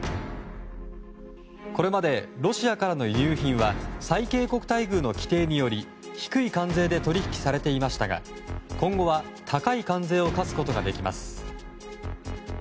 これまでロシアからの輸入品は最恵国待遇の規定により低い関税で取引されていましたが今後は高い関税を課すことができます。